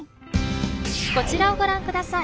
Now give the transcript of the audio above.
こちらをご覧ください。